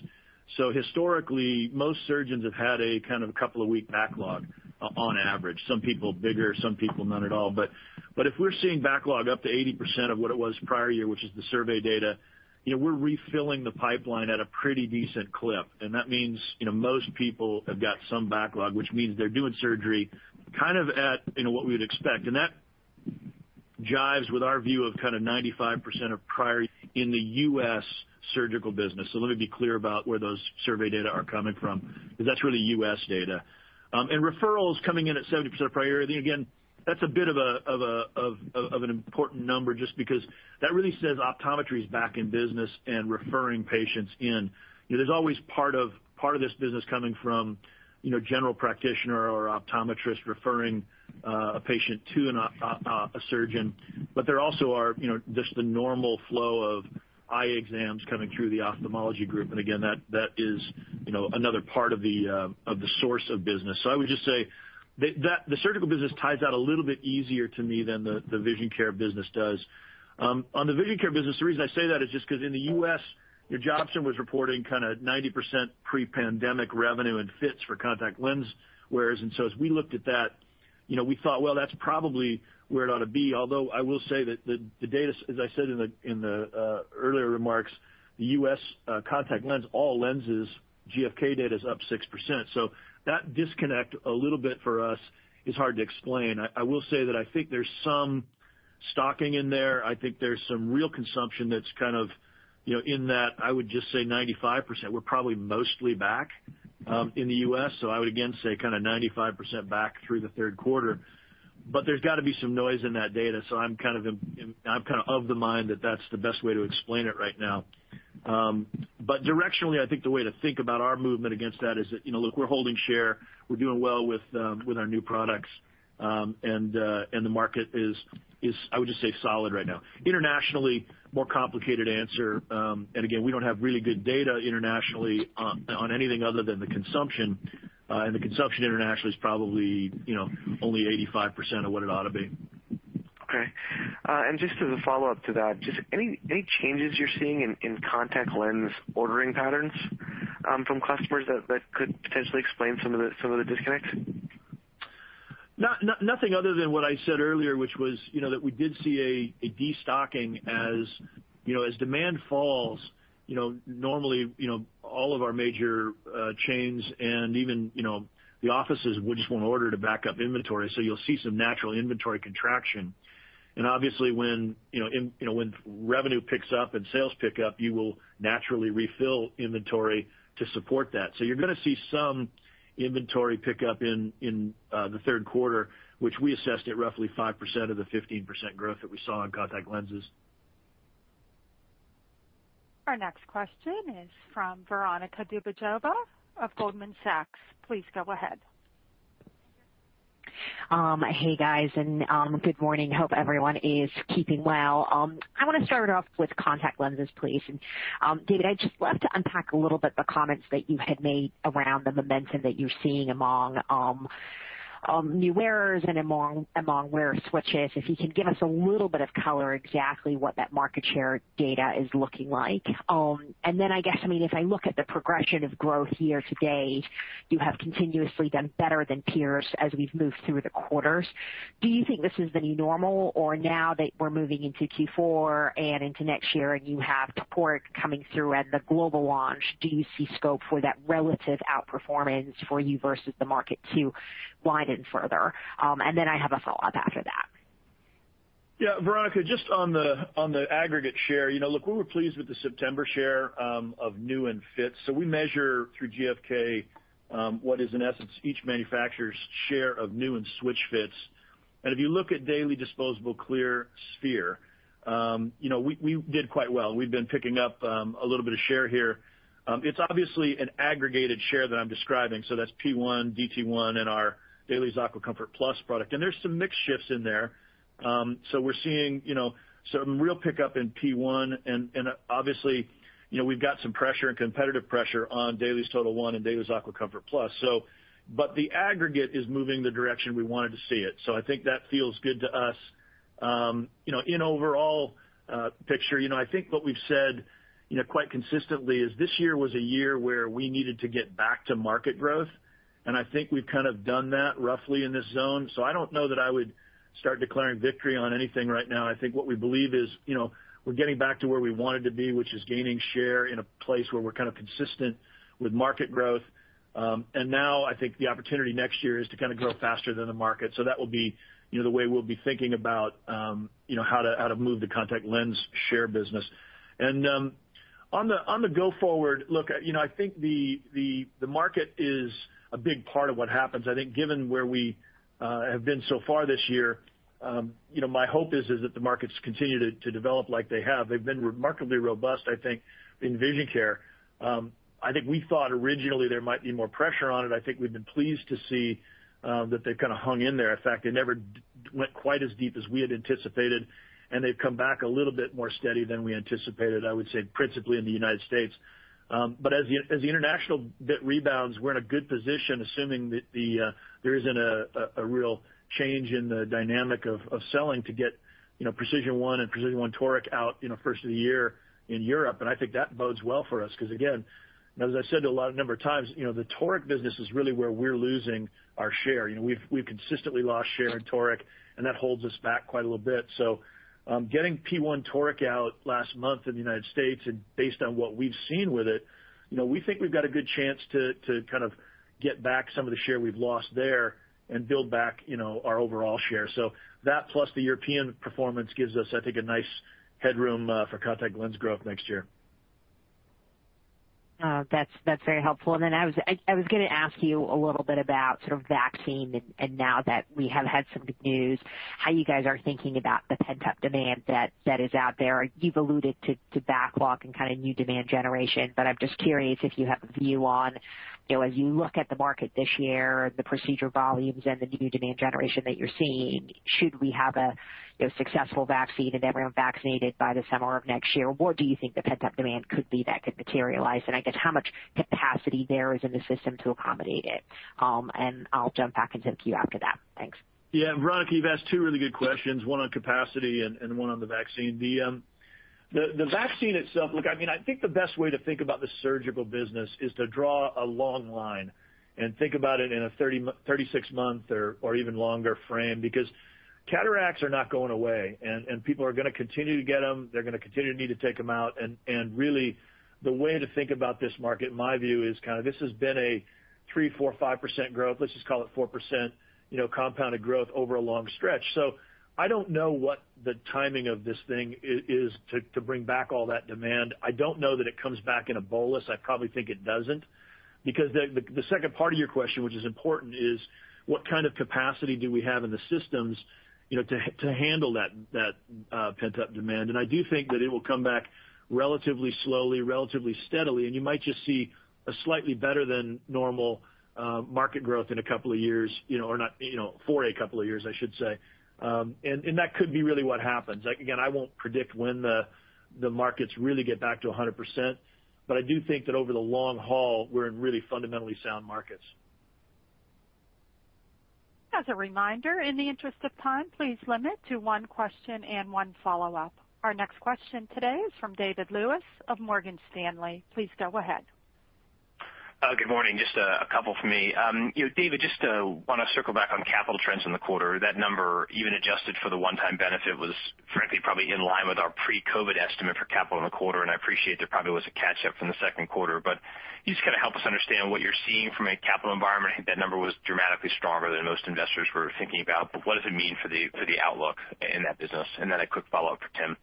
Historically, most surgeons have had a couple of week backlog, on average. Some people bigger, some people not at all. If we're seeing backlog up to 80% of what it was prior year, which is the survey data, we're refilling the pipeline at a pretty decent clip. That means, most people have got some backlog, which means they're doing surgery kind of at what we'd expect. That jives with our view of 95% of prior in the U.S. surgical business. Let me be clear about where those survey data are coming from, because that's really U.S. data. Referrals coming in at 70% of prior year. Again, that's a bit of an important number just because that really says optometry's back in business and referring patients in. There's always part of this business coming from general practitioner or optometrist referring a patient to a surgeon. There also are just the normal flow of eye exams coming through the ophthalmology group. Again, that is another part of the source of business. I would just say that the surgical business ties out a little bit easier to me than the vision care business does. On the vision care business, the reason I say that is just because in the U.S., Johnson was reporting kind of 90% pre-pandemic revenue and fits for contact lens wearers. As we looked at that, we thought, well, that's probably where it ought to be. Although I will say that the data, as I said in the earlier remarks, the U.S. contact lens, all lenses GfK data's up 6%. That disconnect a little bit for us is hard to explain. I will say that I think there's some stocking in there. I think there's some real consumption that's kind of in that, I would just say 95%. We're probably mostly back in the U.S. I would again say 95% back through the third quarter. There's got to be some noise in that data, so I'm kind of of the mind that that's the best way to explain it right now. Directionally, I think the way to think about our movement against that is that, look, we're holding share, we're doing well with our new products. The market is, I would just say, solid right now. Internationally, more complicated answer. Again, we don't have really good data internationally on anything other than the consumption. The consumption internationally is probably only 85% of what it ought to be. Okay. Just as a follow-up to that, just any changes you're seeing in contact lens ordering patterns from customers that could potentially explain some of the disconnect? Nothing other than what I said earlier, which was that we did see a destocking. As demand falls, normally, all of our major chains and even the offices just won't order to back up inventory. You'll see some natural inventory contraction. Obviously when revenue picks up and sales pick up, you will naturally refill inventory to support that. You're going to see some inventory pick up in the third quarter, which we assessed at roughly 5% of the 15% growth that we saw in contact lenses. Our next question is from Veronika Dubajova of Goldman Sachs. Please go ahead. Hey, guys, good morning. Hope everyone is keeping well. I want to start off with contact lenses, please. David, I just would love to unpack a little bit the comments that you had made around the momentum that you're seeing among new wearers and among wearer switches. If you can give us a little bit of color, exactly what that market share data is looking like. Then, I guess, if I look at the progression of growth here today, you have continuously done better than peers as we've moved through the quarters. Do you think this is the new normal or now that we're moving into Q4 and into next year and you have Toric coming through and the global launch, do you see scope for that relative outperformance for you versus the market to widen further? Then I have a follow-up after that. Veronika, just on the aggregate share. Look, we were pleased with the September share of new and fits. We measure through GfK, what is in essence each manufacturer's share of new and switch fits. If you look at daily disposable clear sphere, we did quite well. We've been picking up a little bit of share here. It's obviously an aggregated share that I'm describing. That's P1, DT1, and our DAILIES AquaComfort Plus product. There's some mix shifts in there. We're seeing some real pickup in P1 and obviously we've got some pressure and competitive pressure on DAILIES TOTAL1 and DAILIES AquaComfort Plus. The aggregate is moving the direction we wanted to see it. I think that feels good to us. In overall picture, I think what we've said quite consistently is this year was a year where we needed to get back to market growth, and I think we've kind of done that roughly in this zone. I don't know that I would start declaring victory on anything right now. I think what we believe is we're getting back to where we wanted to be, which is gaining share in a place where we're kind of consistent with market growth. Now I think the opportunity next year is to kind of grow faster than the market. That will be the way we'll be thinking about how to move the contact lens share business. On the go forward look, I think the market is a big part of what happens. I think given where we have been so far this year, my hope is that the markets continue to develop like they have. They've been remarkably robust, I think, in vision care. I think we thought originally there might be more pressure on it. I think we've been pleased to see that they've kind of hung in there. In fact, they never went quite as deep as we had anticipated, and they've come back a little bit more steady than we anticipated, I would say principally in the U.S. As the international bit rebounds, we're in a good position, assuming that there isn't a real change in the dynamic of selling to get PRECISION1 and PRECISION1 Toric out first of the year in Europe. I think that bodes well for us because again, as I said a number of times, the toric business is really where we're losing our share. We've consistently lost share in toric, and that holds us back quite a little bit. Getting P1 Toric out last month in the U.S., and based on what we've seen with it, we think we've got a good chance to kind of get back some of the share we've lost there and build back our overall share. That plus the European performance gives us, I think, a nice headroom for contact lens growth next year. That's very helpful. Then I was going to ask you a little bit about sort of vaccine and now that we have had some good news, how you guys are thinking about the pent-up demand that is out there. You've alluded to backlog and kind of new demand generation, I'm just curious if you have a view on as you look at the market this year, the procedure volumes and the new demand generation that you're seeing, should we have a successful vaccine and everyone vaccinated by the summer of next year? What do you think the pent-up demand could be that could materialize? I guess how much capacity there is in the system to accommodate it? I'll jump back and Tim to you after that. Thanks. Yeah. Veronika, you've asked two really good questions, one on capacity and one on the vaccine. The vaccine itself, look, I think the best way to think about the surgical business is to draw a long line and think about it in a 36-month or even longer frame, because cataracts are not going away, and people are going to continue to get them. Really, the way to think about this market, in my view, is kind of this has been a 3%, 4%, 5% growth. Let's just call it 4% compounded growth over a long stretch. I don't know what the timing of this thing is to bring back all that demand. I don't know that it comes back in a bolus. I probably think it doesn't. Because the second part of your question, which is important, is what kind of capacity do we have in the systems to handle that pent-up demand? I do think that it will come back relatively slowly, relatively steadily, and you might just see a slightly better than normal market growth in a couple of years. For a couple of years, I should say. That could be really what happens. Again, I won't predict when the markets really get back to 100%, but I do think that over the long haul, we're in really fundamentally sound markets. As a reminder, in the interest of time, please limit to one question and one follow-up. Our next question today is from David Lewis of Morgan Stanley. Please go ahead. Good morning. Just a couple from me. David, just want to circle back on capital trends in the quarter. That number, even adjusted for the one-time benefit, was frankly, probably in line with our pre-COVID estimate for capital in the quarter. I appreciate there probably was a catch-up from the second quarter. Can you just kind of help us understand what you're seeing from a capital environment? I think that number was dramatically stronger than most investors were thinking about. What does it mean for the outlook in that business? A quick follow-up for Tim.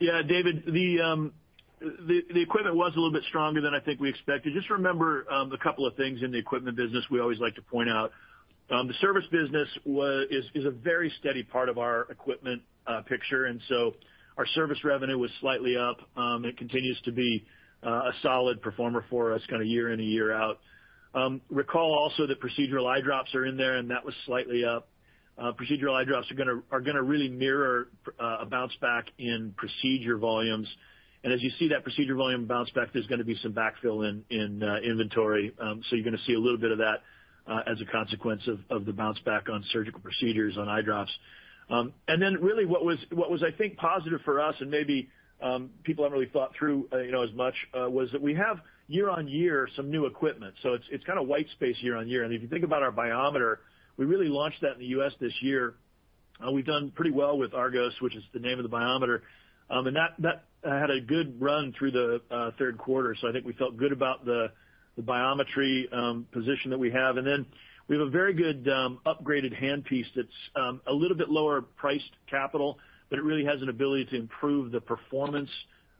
Yeah, David, the equipment was a little bit stronger than I think we expected. Just remember a couple of things in the equipment business we always like to point out. The service business is a very steady part of our equipment picture, and so our service revenue was slightly up. It continues to be a solid performer for us kind of year in and year out. Recall also that procedural eye drops are in there, and that was slightly up. Procedural eye drops are going to really mirror a bounce back in procedure volumes. As you see that procedure volume bounce back, there's going to be some backfill in inventory. You're going to see a little bit of that as a consequence of the bounce back on surgical procedures on eye drops. Really what was, I think, positive for us, and maybe people haven't really thought through as much, was that we have year-on-year some new equipment. It's kind of white space year-on-year. If you think about our biometer, we really launched that in the U.S. this year. We've done pretty well with ARGOS, which is the name of the biometer. That had a good run through the third quarter. I think we felt good about the biometry position that we have. We have a very good upgraded handpiece that's a little bit lower priced capital, but it really has an ability to improve the performance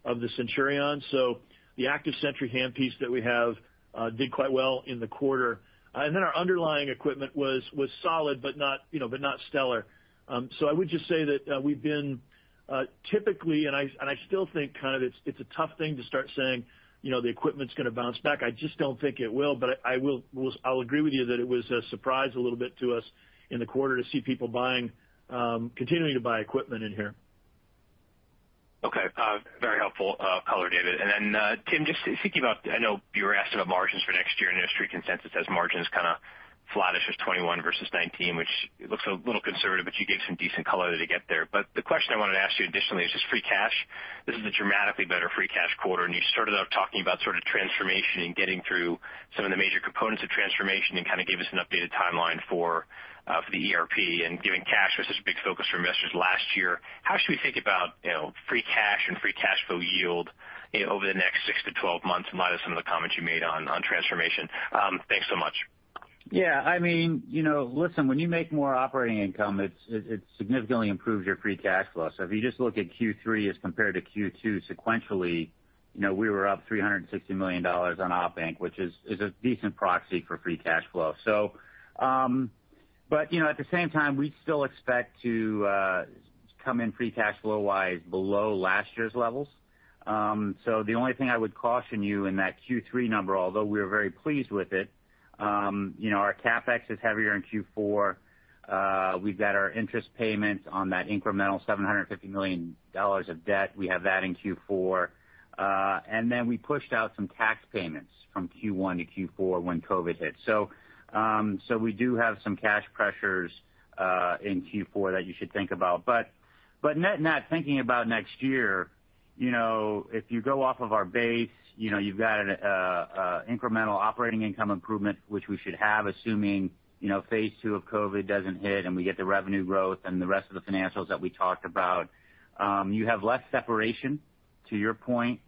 of the Centurion. The ACTIVE SENTRY handpiece that we have did quite well in the quarter. Our underlying equipment was solid, but not stellar. I would just say that we've been typically, and I still think it's a tough thing to start saying, the equipment's going to bounce back. I just don't think it will. I'll agree with you that it was a surprise a little bit to us in the quarter to see people continuing to buy equipment in here. Okay. Very helpful color, David. Tim, just thinking about, I know you were asked about margins for next year and the industry consensus says margins kind of flattish with 2021 versus 2019, which looks a little conservative, but you gave some decent color to get there. The question I wanted to ask you additionally is just free cash. This is a dramatically better free cash quarter, and you started out talking about sort of transformation and getting through some of the major components of transformation and kind of gave us an updated timeline for the ERP, and giving cash was this big focus for investors last year. How should we think about free cash and free cash flow yield over the next 6 to 12 months in light of some of the comments you made on transformation? Thanks so much. Yeah. Listen, when you make more operating income, it significantly improves your free cash flow. If you just look at Q3 as compared to Q2 sequentially, we were up $360 million on op inc, which is a decent proxy for free cash flow. At the same time, we still expect to come in free cash flow-wise below last year's levels. The only thing I would caution you in that Q3 number, although we are very pleased with it, our CapEx is heavier in Q4. We've got our interest payments on that incremental $750 million of debt. We have that in Q4. We pushed out some tax payments from Q1 to Q4 when COVID hit. We do have some cash pressures in Q4 that you should think about. Net thinking about next year, if you go off of our base, you've got an incremental operating income improvement, which we should have, assuming phase II of COVID doesn't hit and we get the revenue growth and the rest of the financials that we talked about. You have less separation to your point.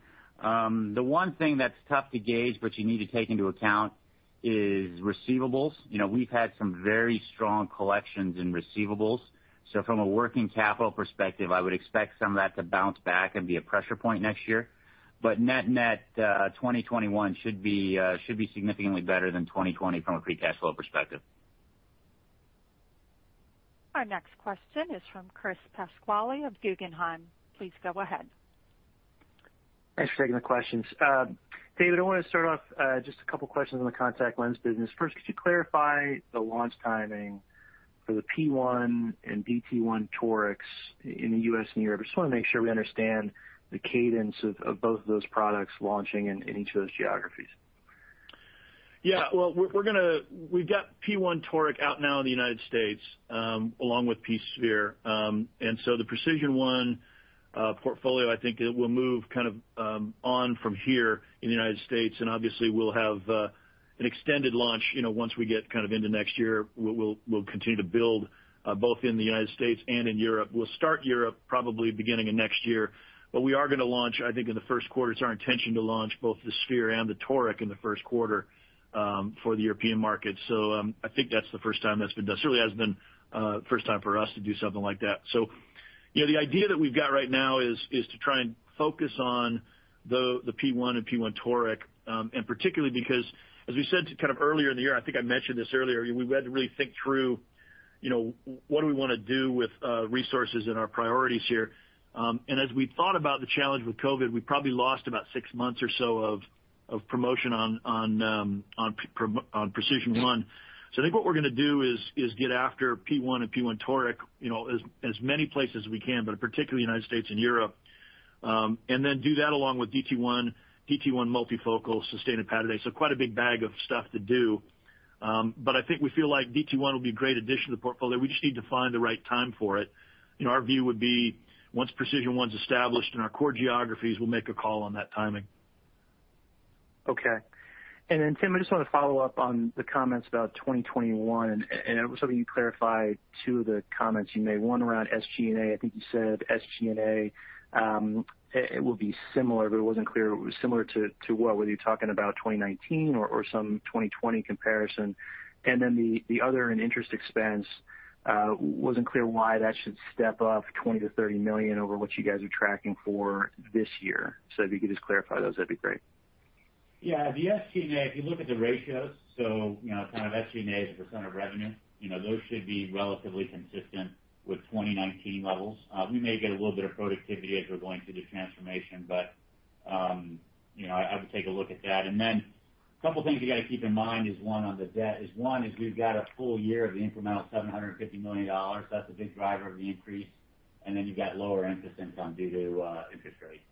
The one thing that's tough to gauge but you need to take into account is receivables. We've had some very strong collections in receivables. From a working capital perspective, I would expect some of that to bounce back and be a pressure point next year. Net, 2021 should be significantly better than 2020 from a free cash flow perspective. Our next question is from Chris Pasquale of Guggenheim. Please go ahead. Thanks for taking the questions. David, I want to start off just a couple of questions on the contact lens business. First, could you clarify the launch timing for the P1 and DT1 torics in the U.S. and Europe? I just want to make sure we understand the cadence of both of those products launching in each of those geographies. Well, we've got P1 Toric out now in the United States, along with P Sphere. The PRECISION1 portfolio, I think it will move kind of on from here in the United States, and obviously we'll have an extended launch, once we get kind of into next year. We'll continue to build both in the United States and in Europe. We'll start Europe probably beginning of next year, but we are going to launch, I think in the first quarter. It's our intention to launch both the Sphere and the Toric in the first quarter for the European market. I think that's the first time that's been done. Certainly has been first time for us to do something like that. The idea that we've got right now is to try and focus on the P1 and P1 Toric, particularly because, as we said kind of earlier in the year, I think I mentioned this earlier, we had to really think through what do we want to do with resources and our priorities here. As we thought about the challenge with COVID, we probably lost about six months or so of promotion on PRECISION1. I think what we're going to do is get after P1 and P1 Toric, as many places as we can, particularly United States and Europe. Then do that along with DT1 multifocal sustained a pattern. Quite a big bag of stuff to do. I think we feel like DT1 will be a great addition to the portfolio. We just need to find the right time for it. Our view would be once PRECISION1's established in our core geographies, we'll make a call on that timing. Okay. Tim, I just want to follow up on the comments about 2021, I was hoping you clarify two of the comments you made. One around SG&A. I think you said SG&A, it will be similar, but it wasn't clear similar to what. Were you talking about 2019 or some 2020 comparison? The other in interest expense, wasn't clear why that should step up $20 million-$30 million over what you guys are tracking for this year. If you could just clarify those, that'd be great. Yeah. The SG&A, if you look at the ratios, so kind of SG&A as a % of revenue, those should be relatively consistent with 2019 levels. We may get a little bit of productivity as we're going through the transformation, but I would take a look at that. A couple things you got to keep in mind is one, on the debt, is we've got a full year of the incremental $750 million. That's a big driver of the increase. You've got lower interest income due to interest rates.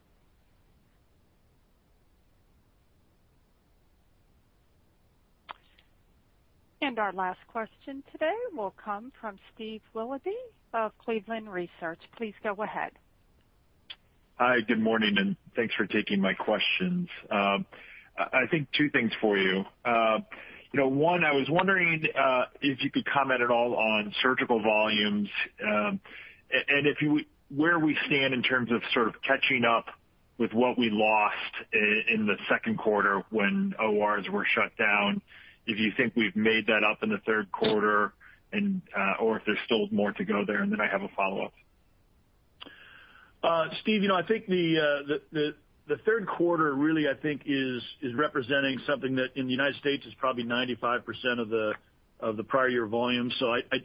Our last question today will come from Steve Willoughby of Cleveland Research. Please go ahead. Hi, good morning. Thanks for taking my questions. I think two things for you. One, I was wondering if you could comment at all on surgical volumes, and where we stand in terms of sort of catching up with what we lost in the second quarter when ORs were shut down, if you think we've made that up in the third quarter or if there's still more to go there. I have a follow-up. Steve, I think the third quarter really is representing something that, in the U.S., is probably 95% of the prior year volume.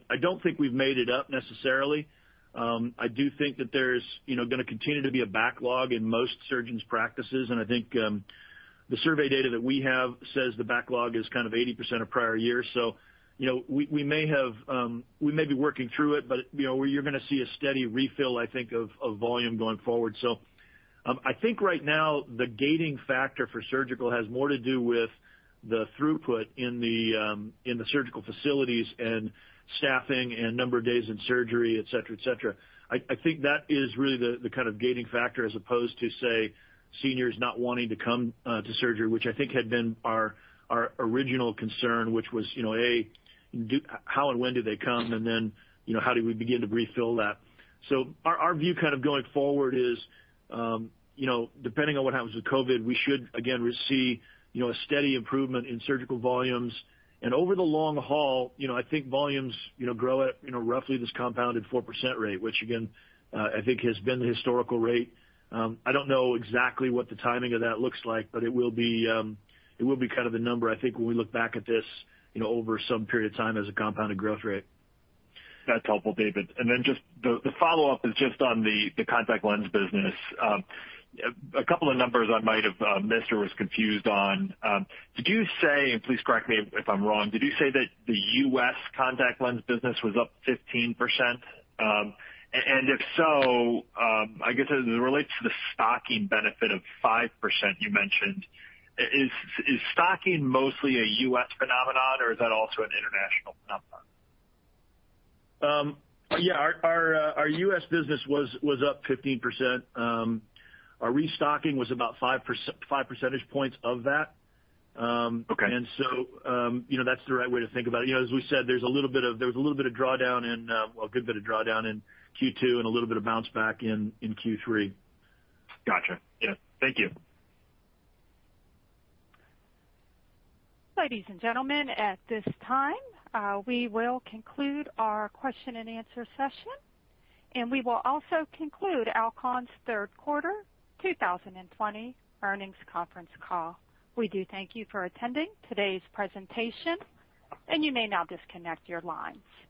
I don't think we've made it up necessarily. I do think that there's going to continue to be a backlog in most surgeons' practices, and I think the survey data that we have says the backlog is kind of 80% of prior year. We may be working through it, but you're going to see a steady refill, I think, of volume going forward. I think right now the gating factor for surgical has more to do with the throughput in the surgical facilities and staffing and number of days in surgery, et cetera. I think that is really the kind of gating factor as opposed to, say, seniors not wanting to come to surgery, which I think had been our original concern, which was, A, how and when do they come, and then, how do we begin to refill that? Our view kind of going forward is, depending on what happens with COVID, we should again receive a steady improvement in surgical volumes. Over the long haul, I think volumes grow at roughly this compounded 4% rate, which again I think has been the historical rate. I don't know exactly what the timing of that looks like, but it will be kind of the number, I think, when we look back at this over some period of time as a compounded growth rate. That's helpful, David. The follow-up is just on the contact lens business. A couple of numbers I might have missed or was confused on. Did you say, and please correct me if I'm wrong, did you say that the U.S. contact lens business was up 15%? If so, I guess as it relates to the stocking benefit of 5% you mentioned, is stocking mostly a U.S. phenomenon or is that also an international phenomenon? Yeah. Our U.S. business was up 15%. Our restocking was about five percentage points of that. Okay. That's the right way to think about it. As we said, there was a little bit of drawdown in, well, a good bit of drawdown in Q2 and a little bit of bounce back in Q3. Got you. Yeah. Thank you. Ladies and gentlemen, at this time, we will conclude our question and answer session, and we will also conclude Alcon's third quarter 2020 earnings conference call. We do thank you for attending today's presentation, and you may now disconnect your lines.